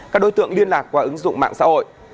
các đối tượng liên lạc qua ứng dụng mạng xã hội